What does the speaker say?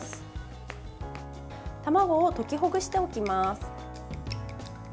卵を溶きほぐしておきます。